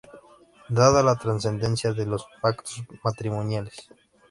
Dada la trascendencia de los pactos matrimoniales.